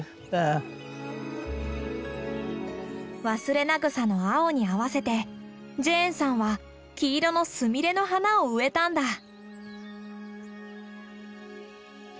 ワスレナグサの青に合わせてジェーンさんは黄色のスミレの花を植えたんだ。